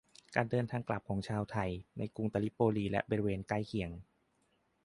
การเดินทางกลับประเทศไทยของชาวไทยในกรุงตริโปลีและบริเวณใกล้เคียง